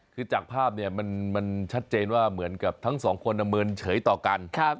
คือจากภาพเนี่ยมันชัดเจนว่าเหมือนกับทั้งสองคนเมินเฉยต่อกัน